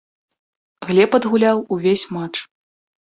Глеб адгуляў увесь матч.